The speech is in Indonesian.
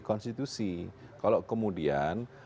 konstitusi kalau kemudian